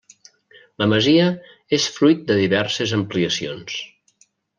La masia és fruit de diverses ampliacions.